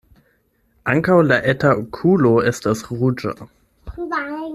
Ankaŭ la eta okulo estas ruĝa.